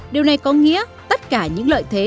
điều này có nghĩa tất cả những lợi thế